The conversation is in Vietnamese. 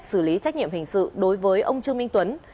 xử lý trách nhiệm hình sự đối với ông trương minh tuấn